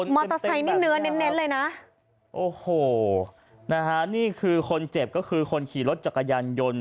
อเตอร์ไซค์นี่เนื้อเน้นเน้นเลยนะโอ้โหนะฮะนี่คือคนเจ็บก็คือคนขี่รถจักรยานยนต์